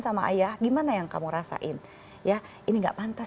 sama ayah gimana yang kamu rasain ya ini gak pantas